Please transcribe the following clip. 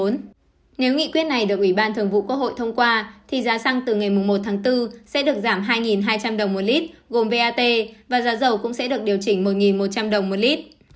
nếu nghị quyết này được ủy ban thường vụ quốc hội thông qua thì giá xăng từ ngày một tháng bốn sẽ được giảm hai hai trăm linh đồng một lít gồm bat và giá dầu cũng sẽ được điều chỉnh một một trăm linh đồng một lít